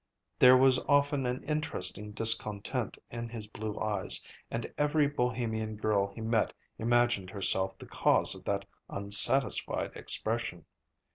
There was often an interesting discontent in his blue eyes, and every Bohemian girl he met imagined herself the cause of that unsatisfied expression.